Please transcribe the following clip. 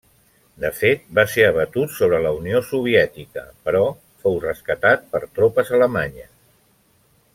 De fet, va ser abatut sobre la Unió Soviètica, però fou rescatat per tropes alemanyes.